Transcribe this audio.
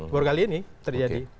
baru kali ini terjadi